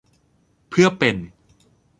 เพื่อเป็น